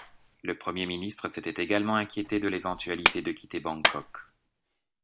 Le premier ministre s'était également inquiété de l'éventualité de quitter Bangkok.